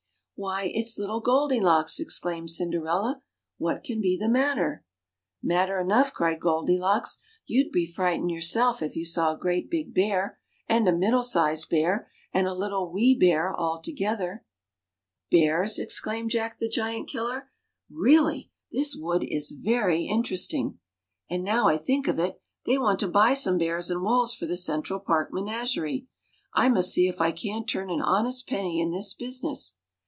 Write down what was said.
Why 1 it's Little Goldilocks," exclaimed Cinderella ; ^^what can be the matter?" Matter enough," cried Goldilocks ; you'd be fright ened yourself if you saw a great big bear and a middle sized bear and a little wee bear altogether." 22 THE CHILDREN'S WONDER BOOK. Bears ! exclaimed Jack the Giant killer. ^^Keally, this wood is very interesting. And now I think of it, they want to buy some bears and wolves for the Central Park menagerie. I must see if I can't turn an honest penny in this business."